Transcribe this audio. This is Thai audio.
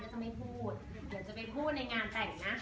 จะไม่พูดเดี๋ยวจะไปพูดในงานแต่งนะ